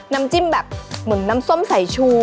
น้ำจิ้มแบบเหมือนน้ำส้มสายชู